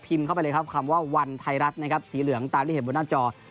เข้าไปเลยครับคำว่าวันไทยรัฐนะครับสีเหลืองตามที่เห็นบนหน้าจอ